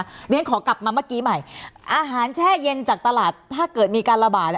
เพราะฉะนั้นขอกลับมาเมื่อกี้ใหม่อาหารแช่เย็นจากตลาดถ้าเกิดมีการระบาด